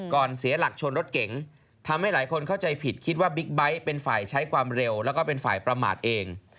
เสียหลักชนรถเก๋งทำให้หลายคนเข้าใจผิดคิดว่าบิ๊กไบท์เป็นฝ่ายใช้ความเร็วแล้วก็เป็นฝ่ายประมาทเอง